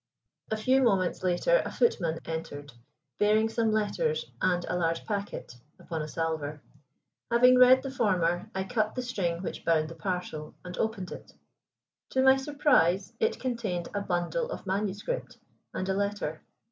A few moments later a footman entered bearing some letters, and a large packet, upon a salver. Having read the former, I cut the string which bound the parcel, and opened it. To my surprise, it contained a bundle of manuscript and a letter.